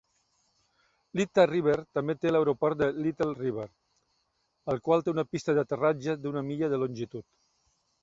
Little River també té l'aeroport de Little River, el qual té una pista d'aterratge d'una milla de longitud.